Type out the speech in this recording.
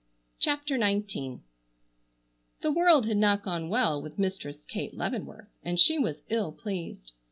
CHAPTER XIX The world had not gone well with Mistress Kate Leavenworth, and she was ill pleased.